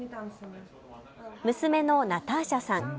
娘のナターシャさん。